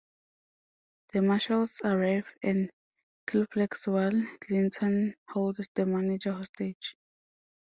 The Marshals arrive and kill Flex while Clinton holds the manager hostage.